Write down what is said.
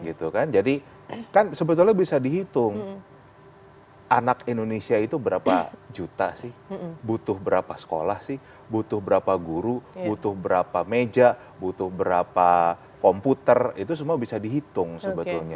gitu kan jadi kan sebetulnya bisa dihitung anak indonesia itu berapa juta sih butuh berapa sekolah sih butuh berapa guru butuh berapa meja butuh berapa komputer itu semua bisa dihitung sebetulnya